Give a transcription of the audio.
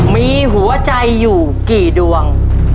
มีหัวใจอยู่กี่ดวง